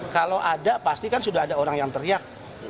kalau ada pasti kan sudah ada orang yang teriak